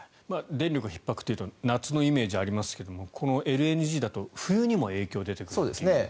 電力ひっ迫というと夏のイメージがありますがこのＬＮＧだと冬にも影響が出てくると。